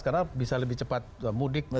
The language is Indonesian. karena bisa lebih cepat mudik